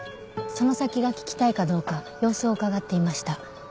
その先が聞きたいかどうか様子をうかがっていました。